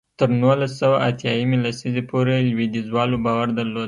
تر نولس سوه اتیا یمې لسیزې پورې لوېدیځوالو باور درلود.